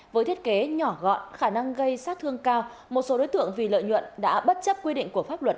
với thiết kế nhỏ gọn khả năng gây sát thương cao một số đối tượng vì lợi nhuận đã bất chấp quy định của pháp luật